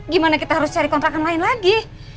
gimana kita harus cari kontrakan lain lagi